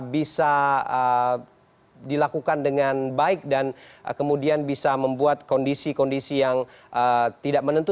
bisa dilakukan dengan baik dan kemudian bisa membuat kondisi kondisi yang tidak menentu